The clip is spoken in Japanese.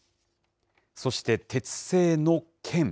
そして鉄製の剣。